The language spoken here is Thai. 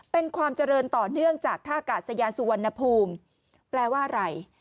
เป็นความเจริญต่อเนื่องจากท่ากาศยานสุวรรณภูมิแปลว่าอะไร